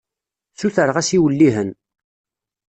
Sutreɣ-as iwellihen.